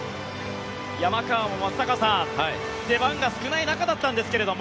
山川も、松坂さん出番が少ない中だったんですが。